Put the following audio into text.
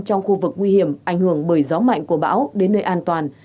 trong khu vực nguy hiểm ảnh hưởng bởi gió mạnh của bão đến nơi an toàn